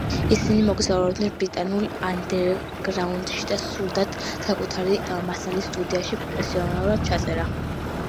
ისინი მოგზაურობდნენ ბრიტანულ ანდერგრაუნდში და სურდათ საკუთარი მასალის სტუდიაში პროფესიონალურად ჩაწერა.